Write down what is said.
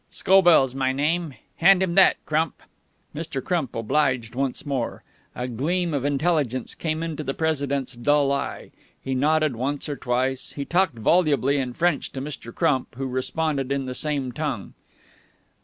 Scobell's my name. Hand him that, Crump." Mr. Crump obliged once more. A gleam of intelligence came into the President's dull eye. He nodded once or twice. He talked volubly in French to Mr. Crump, who responded in the same tongue.